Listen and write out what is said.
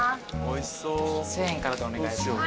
１，０００円からでお願いします。